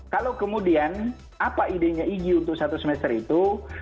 kalau kemudian apa idenya ig untuk satu semester itu